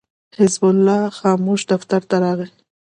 حزب الله خاموش دفتر ته راغی.